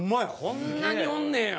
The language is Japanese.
こんなにおんねや！